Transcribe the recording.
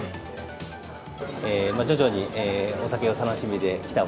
徐々にお酒を楽しみで来たお